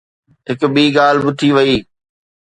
هڪ ٻي ڳالهه به ٿي وئي.